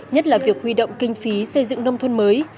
nhất là việc huy động kinh phí xây dựng nông thôn mới